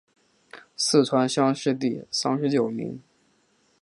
四川乡试第三十九名。